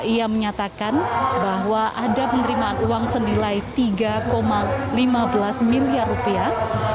ia menyatakan bahwa ada penerimaan uang senilai tiga lima belas miliar rupiah